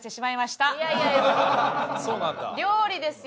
いやいや料理ですよ